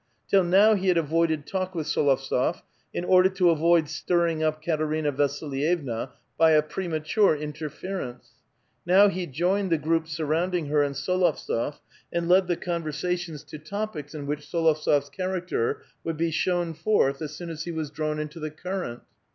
Till now he lind avoided talk with S6lovtsof, in order to avoid stirring lip Katerina Vasilyevna by a premature interference ; now he joined the group surrounding her and S61ovtsof , and led the conversations to topics in which S61ovtsof's character would be shown forth as soon as he was drawn into the current.